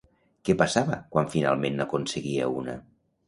Què passava quan finalment n'aconseguia una?